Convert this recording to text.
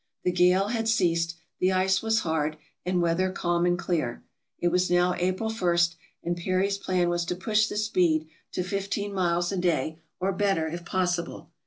The gale had ceased, the ice was hard, and weather calm and clear. It was now April i, and Peary's plan was to push the speed to 15 miles a day, or better if possible.